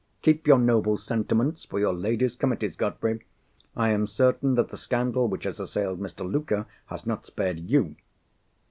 "Keep your noble sentiments for your Ladies' Committees, Godfrey. I am certain that the scandal which has assailed Mr. Luker, has not spared You."